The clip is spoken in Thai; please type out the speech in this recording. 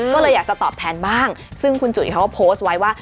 ก็เลยอยากจะตอบแทนบ้างซึ่งคุณจุ๋ยเขาก็โพสต์ไว้ว่า